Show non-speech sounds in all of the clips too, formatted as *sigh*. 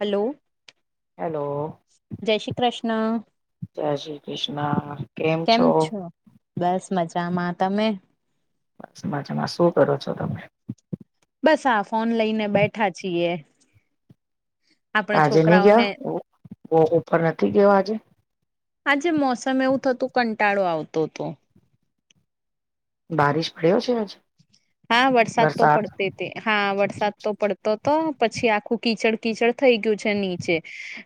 Hello. Hello જય શ્રી કૃષ્ણ જય શ્રી કૃષ્ણ કેમ છો? બસ મજામાં તમે? બસ મજામાં શું કરો છો તમે. બસ હા ફોન લઈને બેઠા છીએ. આપણે આજે નહી છોકરાઓને ગયા બહુ વો ઉપફર નથી ગયો આજે આજે મોસમ એવું થતું કંટાળો આવતો હતો. બારિશ પડ્યો છે આજ. હા વરસાદ તો પડતે તે હા વરસાદ તો પડ તો તો પછી આખું કીચડ કીચડ થઈ ગયું છે નીચે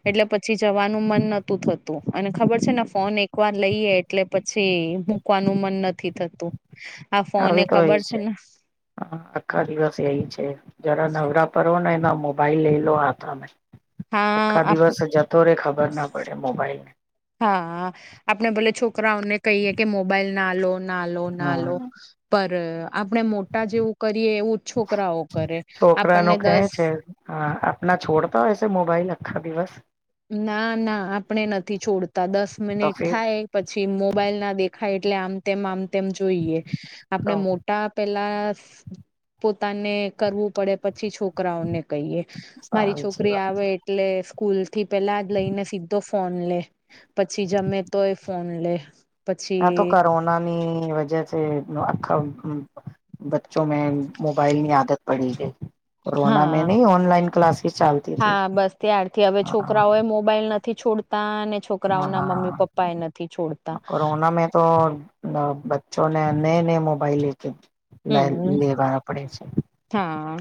એટલે પછી જ વાનું મન નતું થતું અને ખબર છે ને ફોન એક વાર લઈએ એટલે પછી. મૂકવાનું મન નથી થતું આ ફોન એ ખબર છે ને. હ આખા દિવસ એય છે જરા નવરા પર હો ને એના મો મોબાઈલ લે લો હતામે આખા હા દિવસ જતો રે ખબર ના પડે મોબાઈલ ને. હા આપણે ભોલે છોકરાઓને કહીએ કે મોબાઈલ ના લો ના લો ના લો હમ પર આપણે મોટા જેવું કરીએ એવું છોકરાઓ કરે છોકરા ન આપણને કહે દસ છે હા આપણા છોડતા હો સે મોબાઈલ આખા દિવસ. ના ના આપણે નથી છોડતા દસ તો મિનિટ ફર થાય પછી મોબાઈલ ના દેખાય એટલે આમ તેમ આમ તેમ જોઈએ તો આપણે મો ટા પેલા પોતાને કરવું પડે પછી છોકરી છોકરાઓને કહી મારી સારી જી છોકરી વાત આવે એટલે સકુ થી પેલા જ લઈને સીધો ફોન લે પછી જમે તો એ ફોન લે. હા પછી તો કોરોનાની વજહથી આખા બચ્ચો મે મોબાઈલ ની આદત પડી છેઈ કોરોના મે હા નહી ઓનલાઇન ક્લાસેસ ચાલતી હતી હા બસ ત્યારથી હવે હા છોકરાઓ એ મોબાઈલ નથી છોડતા અને છોકરાઓ ના મમ્મી હા પપ્પા એ નથી છોડતા. કોરોના મે તો બચ્ચોને નય નય મોબાઇલ લેખ લ હમ લેવાના પડે છે. હા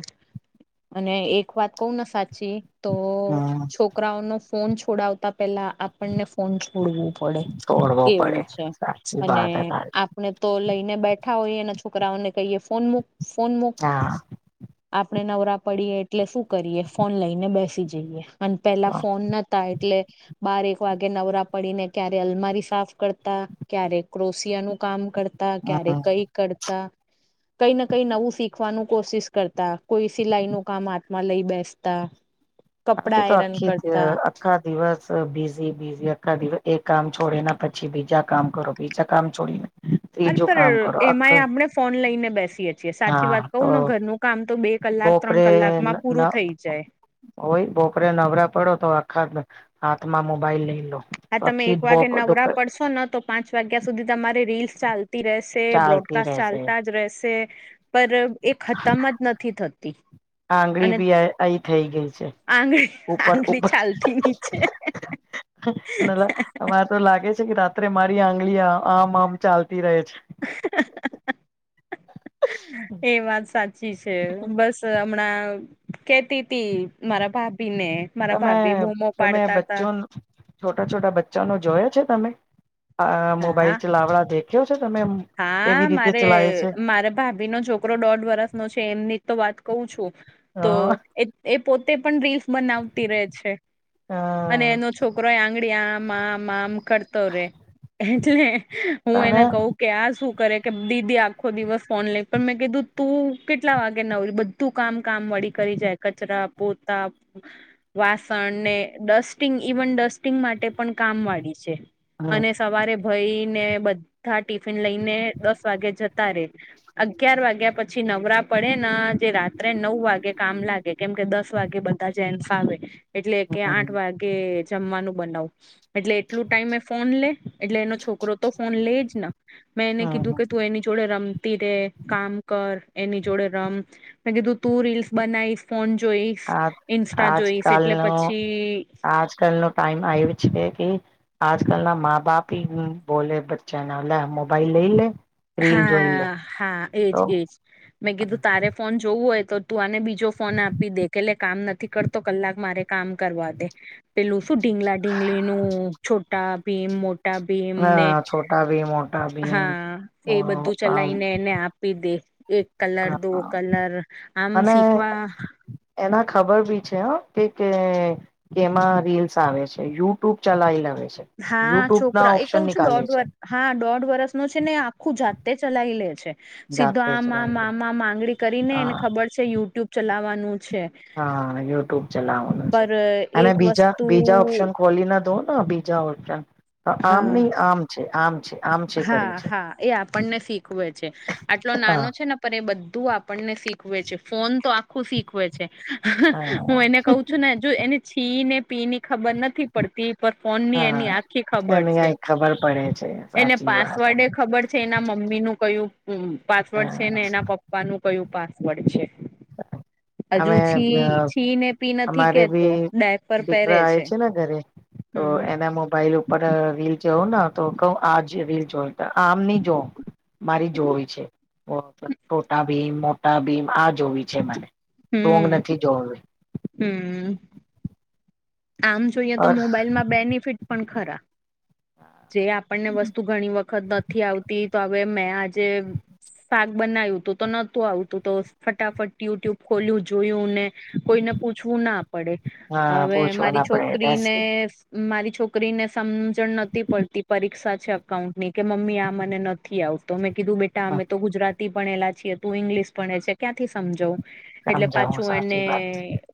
અને એક વાત કવને સાચી તો હમ છોક છોકરાઓ નો ફોન છોડાવતા પેલા આપણને ફોન છોડવું પડે છોડવો પડે એવું છે સાચી અને વાત હે તારી ને તો લઈને બેઠા હોઈએ અને છોકરાઓને કહીએ ફોન મૂક ફોન મૂક. હા આપડણે નવરા પડીએ એટલે શું કરીએ ફોન લઈને બેસી જઈએ અને પેલા ફોન ન એટલે બારેક વાગે નવરા પડીને ક્યારે અલમારી સાફ કરતા ક્યારે ક્રોશિયા ન કામ કરતા, ક્યારે હમ કઈ કરતા કઈ ને કઈ નવું શીખવાનું કોશિશ કરતા કોઈ સિલાઈ નું કામ હાથમાં લઈ બેસતા *inaudible* અભી તો આયરન આખી કરતા આખા દિવસ બીઝી બીઝી અઆખા દિવસ એક કામ છોડેને પછી બીજા કામ કરો બીજા કામ છોડીને અરે ત્રીજું કામ પણ કરો અખ એમાંય આપણે ફોન લઈને બેસીએએ. સાચી હા વાત કહું તો ને ઘરનું કામ તો બે કલાક ત્રણ બપોરે કલાકમાં ન પૂરું થઈ જાય હોય બોપોરે નવરા પડો તો આખા હાથમાં મોબાઈલ લઈ લો. હા તમે આખી એક વાગે બપ નવરા પડશો ને તો પાંચ વાગ્યા સુધી તમારી રીલ્સ ચાલ રહેશે ચાલતી બ્રોડકાસ્ટ રહેશે ચાલતા જ રહેશે પર એક ખતમ જ નથી થતી. આંગળી અને બી આ આ થઈ ગઈ છે. આંગળી ઉપર આંગળી ચાલથી નીચે. મારે તો લાગે છે કે રાત્રે મારી આંગળી આમ આમ ચાલતી રહે છે. હ. એ વાત સાચી છે બસ હમણાં કેતી હતી મારા ભાભી ને મારા તમે ભાભી બૂમો તમે પાડતા તા બચ્ચો છોટા છોટા બચ્ચાનો જોયો છે તમે હા મોબાઈલ ચલાવડા દે કેવ છે તમે એમ. હા મારે મારે ભાભી નો છોકરો દોઢ વરસ નો છે એમની જ તો વાત કહું છું. તો હા. એ એ પોતે પણ રીલ્સ બનાવતી રહે છે. હ અને એનો છોકરો આંગળી આમ આમ આમ કરતો રે એટલે હું તને એને કવ કે આ શું કરે કે દીદી આખો દિવસ ફોન લઈ પણ મેં કીધું તું કેટલા વાગે નવરી તું કામ કામ વળી કરી જાય કચરા પોતા વાસણ ને ડસ્ટિંગ ઇવન ડસ્ટિંગ માટે પણ કામ વાળી છે હમ અને સવારે ભયને બધા ટિફિન લઈને દસ વાગે જતા રે અગિયાર વાગ્યા પછી નવરા પડે ને જે રાત્રે નવ વાગે કામ લાગે કેમ કે દસ વાગે બધા જેન્ટસ આવે એટલે કે આઠ હમ વાગે જમવાનું બનાવું. એટલે એટલું ટાઈમે એ ફોન લે એટલે એનો છોકરો તો ફોન લે જ મેં એને કીધું હમ કે તું એની જોડે રમતી રે કામ કર એની જોડે રમ મે કીધું તું રીલ્સ બનાવીશ ફોન જોઈ આ આજ કાલનો આજ કલ નો ટાઈમ આઈ વો છે કે આજ કલ ના માા બાપ બોલે બચ્ાના લ મોબાઈલ લઈ લે રીલ જોઈ લે હા હા એજ તો એજ મેં કીધું તારે ફોન જોવું હોય તો તું આને બીજો ફોન આપી દે કે એટલે કામ નથી કરતો કલાક મારે કામ કરવા દે પેલું શું ઢીંગલા ઢીંગલી નું છોટા ભી મો ભીમ અ એમને છોટા ભીમ મોટા ભીમ હા એ બધું ચલાવી ને ને આપી દે એક કલર દો કલર આમ અને શીખવા એના ખબર ભી છે કે કે કેમાં રીલ્સ આવે છે યુટ્યુબ ચલાવી લાવે છે. હા યુટ્યુબ ના છોકરા એ કહઉ ઓપ્શન છું નીકાલે દોઢ છે વરષ હા દોઢ વર્સ ન છે ને આખું જાતે ચલાવી લે છે સીધો જાતે આમ આમ ચલાવી લે આમ માંગણી કરી ને એને હા ખબર છે યુટ્યુબ ચલાવવાનું છે. હા યુટ્યુબ ચલાવવાનું છે પર અને એક બીજા વસ્તુ બીજા ઓપ્શન ખોલી ના દો બી જાઓ આમ હા નહ આમ છે આમ છે આમ છે કરે હા છે હા એ આપણને શીખવે છે આટલો નાનો હા છે ને પણ એ બધું આપણને શીખવે છે ફોન તો આખું શીખવે છે હા હું એને કહ છું ને જો એને છી ને પી ની ખબર નથી પડતી પર ફોન ની હા એની આખી ખબર એને છે કઈ ખબર પડે છે એને સાચી વાત પાસવર્ડ એ ખબર છે એના મમ્મી નું કયું પાસવર્ડ છે હા ને એના પપ્પા નું કયું પાસવર્ડ છે *inaudible* હજુ અમે છી છી ને પી નથી અમારે કેતો બી ડ પર પહેરે દીકરા આવે છે ને ઘરે તો હમ એના મોબાઈલ ઉપર વલ જવં ને તો કઉ આ જે ર જો આમ નહી જોઉ મારી જોવી છે છટા ભીમ મોટા ભીમ આ જોવી છે છે મને સોગ હમ નથી જોવે હમ આમ જોઈએ ઓર તો મોબાઈલમાં બેનિફિટ પણ ખરા જે આપણને વસ્તુ ઘણી વખત નથી આવતી તો હવે મેં આજે શક બનાવ્યું તું તો નોત આવતું તો ફટાફટ યુ ટ્યુબ ખોલ્યું જોયું ને કોઈને પૂછવું ના પડે હા હવે પૂછવા મારી ના પડે છોકરીને બેસી મારી છોકરીને સમજણ ન પડતી પરીક્ષા છે અકાઉન્ટ ની કે મમ્મી આ મને નથી આવતો મેં કીધું બેટા અમે તો ગુજરાત લા છી તું ઈંગ્લિશ પણ છે ક્યાંથી સમજવ એટલે સમજાવું પાછું એને સાચી વાત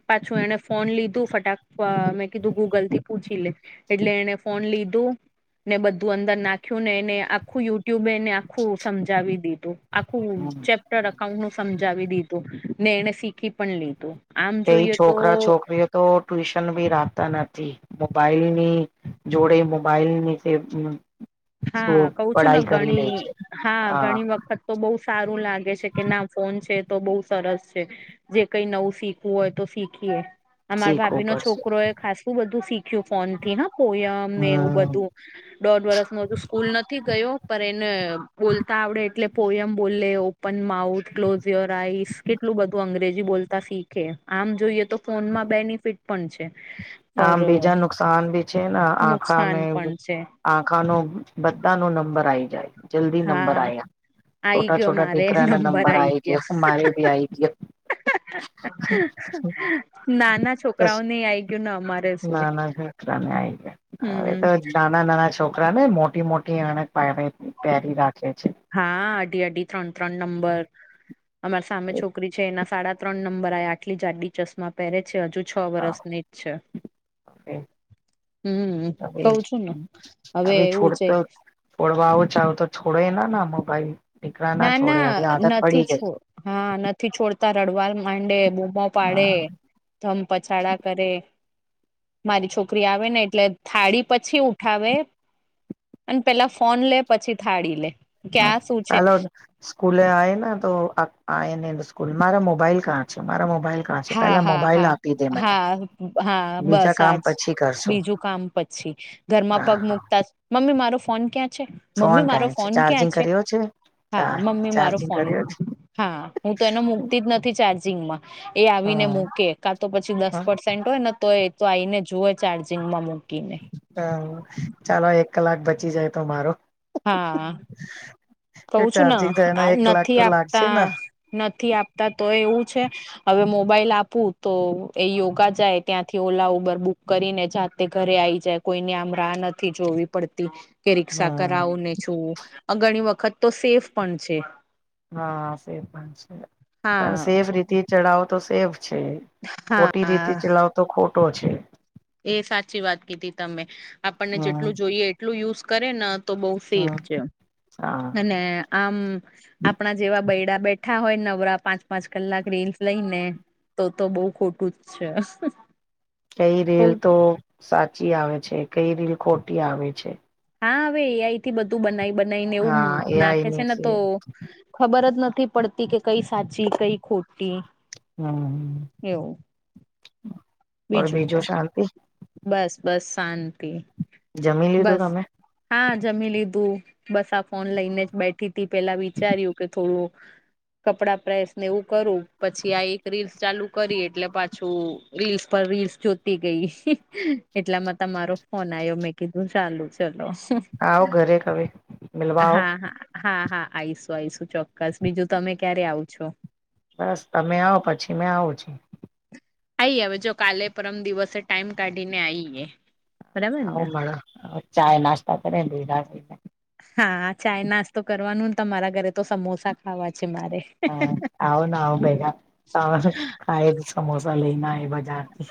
પાછું એને ફોન લીધું ફટાક મેં કીધું ગૂગલ થી પૂછી લીધ એટલે એને ફોન લીધું ને બધું અંદર નાખ્યું ને એને આખું યુટ્યુબ એને આખું સમજાવી દીધું આખું હમ ચપ અઉન્ટ નું સમજાવી દીધું ને એને શીખી પણ લીધું આમ કઈ જોઈએ તો છોકરા છોકરીઓ તો ટ્યુશન ભી રાખતા નથી મોબાઈલ ની જોડે મોબાઈલની જે હા કું છું ને ગણી હા ઘણી વખત તો બહુ સારું લાગે છે કે ના ફોન છે તો બહ સરસ છે જે કઈ નવું શીખવું હોય તો શીખીએ અમાર શીખવું ભાભી નો પડશે છોકરો એ ખાસું બધું શીખ્યું ફોન થી હ પોયમ ને એવું હમ બધું દોઢ વરસ તોું સ્કૂલ નથી ગયો પણ એને બોલતા આવડે એટલે પો એમ બોલે પણ માઉથ ક્લોઝ યોર આઈસ કેટલું બધું અંગ્રેજી બોલતા શીખે આમ જોઈએ તો ફોનમાં બેનિફિટ પણ છે આમ પર બીજા નુકસાન ભી છે ને નુકસાન આખામાં પણ છે આંખાનો બધા ન નંબર આઈ જાય જલ્દી નંબર હા આ્યા છોટા છોટા દટેીકરા ના નંબર આઈ ગયા હુરે ભી આઈ ગ નાના છોકરાઓને આ ના ના ઘકરાને આ ગયા હ હમ તો નાના નાના છોકરાને મોટી મોટી અ પ પહેરી રાખે છે હા અઢી અઢી ત્રણ ત્રણ નંબર અમારી સામે છોકરી છે એના સાડા ત્રણ નંબર આ આટલી જા આડીલી ચશ્મા પહેરે છે હજુ છ વરષની જ છે હમ કઉ છું નને હવે એવું છે ફોડવા આવું ચાલો તો છોડે ના ના મોબાઈલ નીકળ ના છોડે હવે આદત પડી ગઈ હા નથી છોડતા રડવાલ માંડે બૂમો પાડે હા ધમ પછાડા કરે મારી છોકરી આવે ને એટલે થાળી પછી ઉઠાવે અને પેલા ફોન લે પછી થાળી લે કે આ શું છે ચાલો સ્કૂલે આવેને તો આ નને સ્કૂલ મારે મોબાઈલ કાં મારા મોબાઈલ કં છે હા પેલા હા મોબાઈલ હા આપી દે મને હા હા બીજા બસ કામ આજ પછી કરશું બીજું કામ પછી ઘરમાં પગ હા મુકતા મમ્મી મારો ફોન ક્યાં છે મમ્મી ફોન મારો કાય છે ફોન ક્યાં ચાર્જિંગ છે કર્યો હા મમ્મી મારો ચાર્જિંગ ફોન કર્યો છે હા હું તો એનો મુૂકતી જ નથી ચાર્જિંગમાં એ આવીને મૂકે કા તો પછી દસ હ પર્સેન્ટ હોય ને તો એ તો આવીને જુવે ચાર્જિંગમાં મૂકીને હ ચાલો એક કલાક બચી જાય તો મારો હા કહ છું ને ચાર્જિંગ થયાને એક કલાક નથી તો લાગશે આપતા ને નથી આપતા તો એવું છે હવે મોબાઈલ આપવું તો એ યોગા જાય ત્યાંથી ઓલા ઉબર બુક કરીને જા તે ઘરે આવીઈ જાય કોઈને આમ રાહ નથી જોવી પડતી કે રી્ષા હા કરાવુંને ું ઘણી વખત તો સેફ પણ છે હા સેફ પણ છે પણ હા સેફ રીતે ચડાવો તો સેફ છે ખોટી હા રીતે ચલાવતો ખોટો છે એ સાચી વાત કીધી તમે આપણને હા જેટલું જોઈએ એટલું યુઝ કરે ને તો બહ હા સેફ છે હા અને આમ આપણા જેવા બૈડા બેઠા હોય નવરા પાંચ પાંચ કલાક રીલ્સ લઈને તો તો બઉ ખોટું જ છે કઈ રેલ તો સાચી આવે છે કઈ રેલ ખોટી આવે છે હા હવે એઈ થી બધું બનાવી બનાવીને એવું હા એ નાખે છે આઈની ને તો ખબર જ નથી પડતી કે કઈ સાચી કઈ ખોટી એવું હમર બીજું શાંતિ બસ બસ શાંતિ જમી લીધું બસ તમે હા જમી લીધું બસ આ ફોન લઈને જ બેઠ સ્િ પેલા વિચાર્યું કે થોડું કપડા પ્રેસ ને એવું કરું પછી આ એક રીલ્સ ચાલુ કરી એટલે પાછું રીલ્સ પર રીલ્સ જો ગઈ એટલામાં તમારો ફોન આવ્યો મેં કીધું ચાલુ ચલો આવો ઘરે હવે મિલવા આવો હા હા હા હા આઈશું આઈશું ચોક્કસ બીજું તમે ક્યારે આવ છો બસ તમે આવો પછી મેં આવુ છુ. આઈ હવે જો કાલે પરમ દિવસે ટાઈમ કાઢીને આઈએ. બરાબર આવો ને મળવા ચા - નાસ્તા *inaudible* હા ચાય નાસ્તો કરવાનું ને તમારા ઘરે તો સમોસા ખાવા છે મારે. હા આઓ ના આવ બેેગા ત ખાય સમોસા લઈને આય બજારથી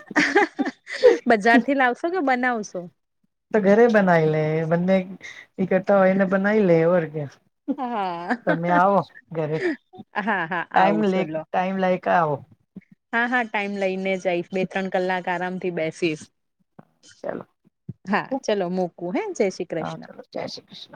બજાર થી લાવશો કે બનાવશો? તો ઘરે બનાવી લે બંને *unintelligible* હા તમે આવો ઘરે હા હા ટાઈમ આવું લે ચલો ટાઈમ લાયકા આવો. હા હા ટાઈમ લઈને જઈશ બે ત્રણ કલાક આરામ થી બેસીશ. ચાલો હા ચલો મુકું હે જય શ્રી હા કૃષ્ણ. ચાલો જય શ્રી કૃષ્ણ